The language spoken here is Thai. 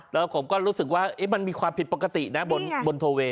แล้วผมก็รู้สึกว่ามันมีความผิดปกตินะบนโทเวย